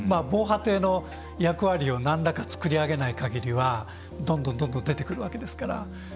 防波堤の役割をなんらか作り上げない限りはどんどん出てくるわけですから。